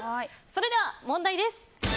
それでは、問題です。